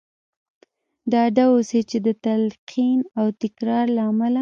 ډاډه اوسئ چې د تلقين او تکرار له امله.